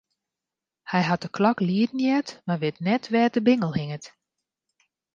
Hy hat de klok lieden heard, mar wit net wêr't de bingel hinget.